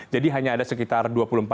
jadi hanya ada sekitar